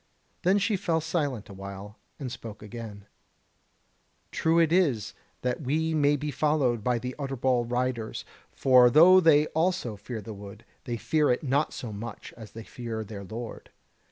Then she fell silent a while, and spoke again: "True it is that we may be followed by the Utterbol riders; for though they also fear the wood, they fear it not so much as they fear their Lord.